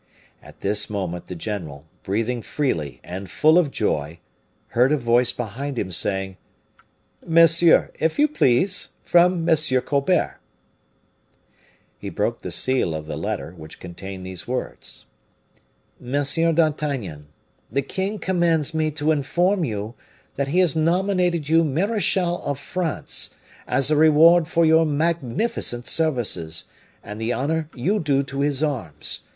At this moment the general, breathing feely and full of joy, heard a voice behind him, saying, "Monsieur, if you please, from M. Colbert." He broke the seal of the letter, which contained these words: "MONSIEUR D'ARTAGNAN: The king commands me to inform you that he has nominated you marechal of France, as a reward for your magnificent services, and the honor you do to his arms.